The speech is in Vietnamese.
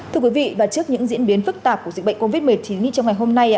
thưa quý vị và trước những diễn biến phức tạp của dịch bệnh covid một mươi chín trong ngày hôm nay